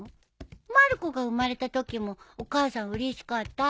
まる子が生まれたときもお母さんうれしかった？